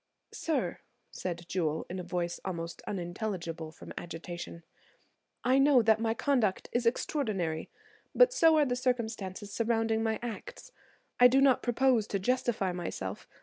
"Sir," said Jewel, in a voice almost unintelligible from agitation, "I know that my conduct is extraordinary, but so are the circumstances surrounding my acts; I do not propose to justify myself.